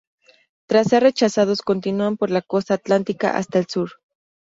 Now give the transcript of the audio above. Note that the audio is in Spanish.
Tras ser rechazados continúan por la costa atlántica hasta el sur.